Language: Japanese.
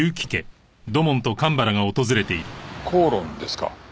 口論ですか？